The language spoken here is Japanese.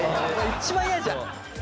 一番嫌じゃん！